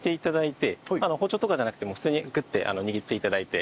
包丁とかではなくて普通にグッて握って頂いて。